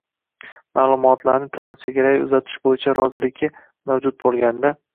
ma’lumotlarini transchegaraviy uzatish bo‘yicha roziligi mavjud bo‘lganda;